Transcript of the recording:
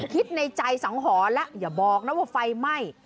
คิดในใจสังหรณ์แล้วอย่าบอกนะว่าไฟไหม้